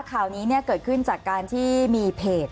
ข่าวนี้เกิดขึ้นจากการที่มีเพจ